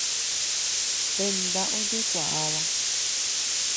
Tenda ojekuaáva.